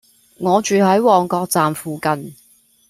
我住喺旺角站附近